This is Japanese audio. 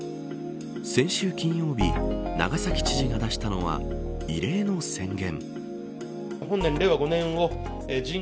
先週金曜日長崎知事が出したのは異例の宣言。